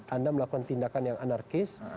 anda melakukan tindakan yang anarkis